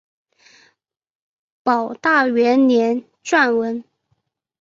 保大元年撰文。